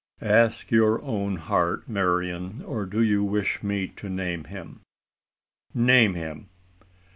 "Ask your own heart, Marian! or do you wish me to name him?" "Name him!"